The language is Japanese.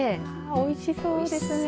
おいしそうですね。